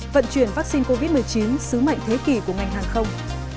vận chuyển vaccine covid một mươi chín sứ mệnh thế kỷ của ngành hàng không